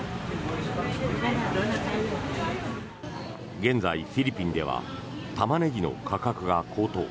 現在、フィリピンではタマネギの価格が高騰。